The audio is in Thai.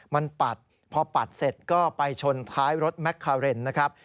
มันปัดพอปัดเสร็จก็ไปชนท้ายรถแมคคาเรนนะครับ